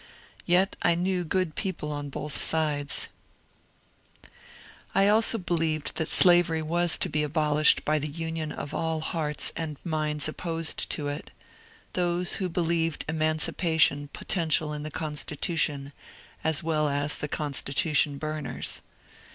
Tet I knew good people on both sides. 186 MONCUEE DANIEL CONWAY I abo believed that slavery was to be abolished by the union of all hearts and minds opposed to it, — those who believed emancipation potential in the Constitution, as well as the Con stitution burners.